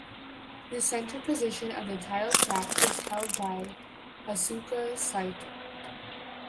The center position of the title track is held by Asuka Saito.